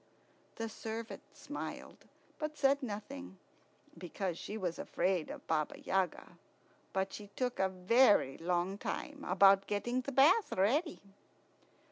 The servant smiled, but said nothing, because she was afraid of Baba Yaga. But she took a very long time about getting the bath ready.